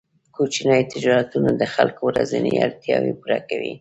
کوچني تجارتونه د خلکو ورځنۍ اړتیاوې پوره کوي.